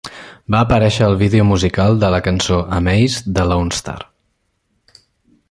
Va aparèixer al vídeo musical de la cançó Amazed de Lonestar.